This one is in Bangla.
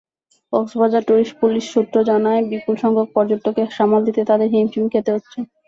কক্সবাজার ট্যুরিস্ট পুলিশ সূত্র জানায়, বিপুলসংখ্যক পর্যটককে সামাল দিতে তাদের হিমশিম খেতে হচ্ছে।